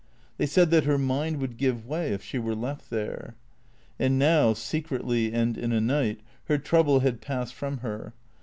They said that her mind would give way if she were left there. And now, secretly and in a night, her trouble had passed from her.